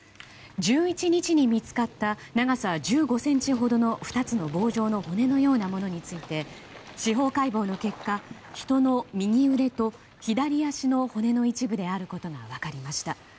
１１日に見つかった長さ１５ｃｍほどの２つの棒状の骨のようなものについて司法解剖の結果、人の右腕と左足の骨の一部であることが分かりました。